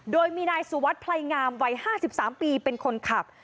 โดยมีนายสุวัสดิ์ไพรงามวัย๕๓ปีเป็นคนขับ